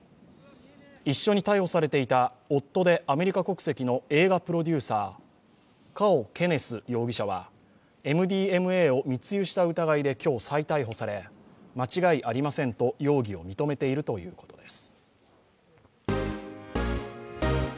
一緒に逮捕されていた夫でアメリカ国籍の映画プロデューサー、カオ・ケネス容疑者はＭＤＭＡを密輸した疑いで今日、再逮捕され、間違いありませんと容疑を認めているということです。